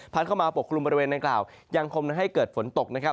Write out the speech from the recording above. เข้ามาปกคลุมบริเวณดังกล่าวยังคงให้เกิดฝนตกนะครับ